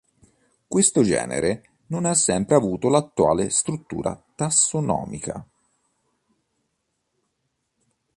Questo genere non ha sempre avuto l'attuale struttura tassonomica.